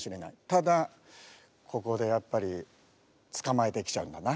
ただここでやっぱり捕まえてきちゃうんだな。